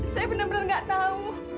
saya benar benar nggak tahu